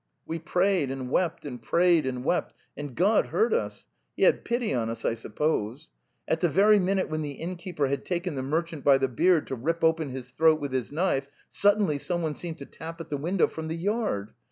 We prayed and wept and prayed and wept, and God heard us. He had pity on us, I suppose. ... At the very min ute when the innkeeper had taken the merchant by the beard to rip open his throat with his knife sud denly someone seemed to tap at the window from the yard!